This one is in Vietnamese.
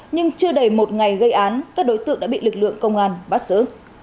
nhưng chưa đầy một ngày gây án các đối tượng đã bị lực lượng công an bắt giữ